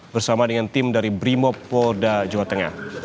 bersama dengan tim dari brimopolda jawa tengah